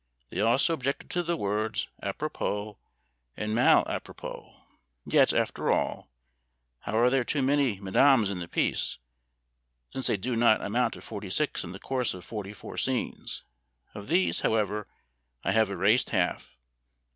They also objected to the words Ã propos and mal Ã propos. Yet, after all, how are there too many Madames in the piece, since they do not amount to forty six in the course of forty four scenes? Of these, however, I have erased half."